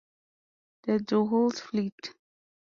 The dhows fled.